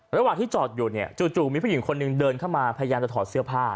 ระหว่างที่จอดอยู่เนี่ยจู่มีผู้หญิงคนหนึ่งเดินเข้ามาพยายามจะถอดเสื้อผ้า